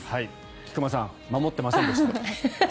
菊間さん守っていませんでした。